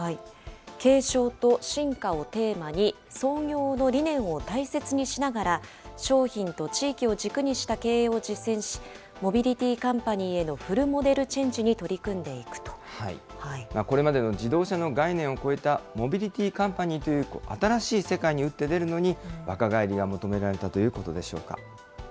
継承と進化をテーマに、創業の理念を大切にしながら、商品と地域を軸にした経営を実践し、モビリティーカンパニーへのフルモデルチェンジに取り組んでいくこれまでの自動車の概念を超えたモビリティーカンパニーという新しい世界に打って出るのに、若返りが求められたということでしょうか。